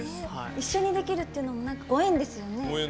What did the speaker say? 一緒にできるっていうのもご縁ですよね。